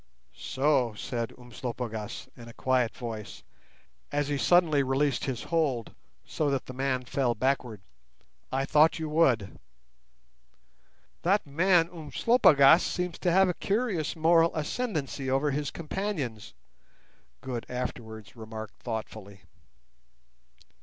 "So!" said Umslopogaas, in a quiet voice, as he suddenly released his hold, so that the man fell backward. "I thought you would." "That man Umslopogaas seems to have a curious moral ascendency over his companions," Good afterwards remarked thoughtfully.